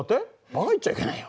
ばか言っちゃいけないよ。